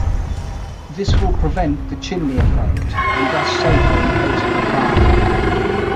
This will prevent the 'chimney effect', and thus safer in case of a fire.